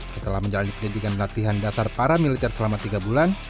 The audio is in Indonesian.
setelah menjalani pendidikan latihan dasar para militer selama tiga bulan